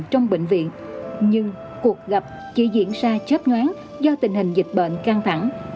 trong bệnh viện nhưng cuộc gặp chỉ diễn ra chớp nhoáng do tình hình dịch bệnh căng thẳng